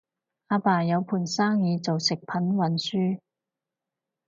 阿爸有盤生意做食品運輸